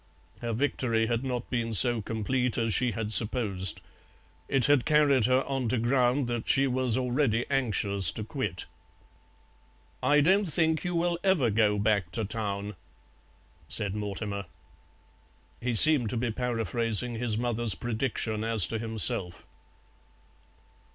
Her victory had not been so complete as she had supposed; it had carried her on to ground that she was already anxious to quit. "I don't think you will ever go back to Town," said Mortimer. He seemed to be paraphrasing his mother's prediction as to himself.